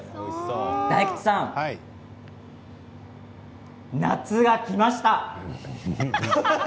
大吉さん、夏がきました。